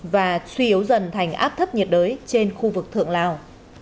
và suy yếu dần thành áp thấp nhiệt đới trên khu vực thượng lào